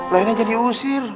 lahirnya jadi usir